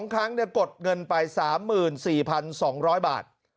๒ครั้งกดเงินไป๓๔๒๐๐บาท